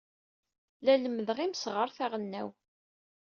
La lemmdeɣ imseɣret aɣelnaw.